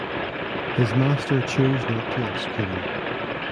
His master chose not to execute him.